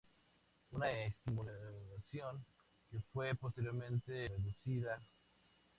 Una estimación que fue posteriormente reducida.